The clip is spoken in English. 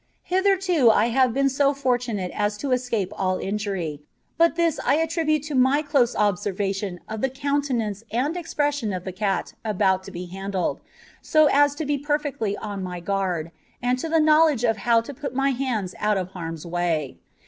Hitherto I have been so fortunate as to escape all injury, but this I attribute to my close observation of the countenance and expression of the cat about to be handled, so as to be perfectly on my guard, and to the knowledge of how to put my hands out of harm's way.